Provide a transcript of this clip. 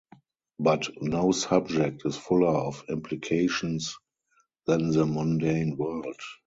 But "no" subject is fuller of implications than the mundane world!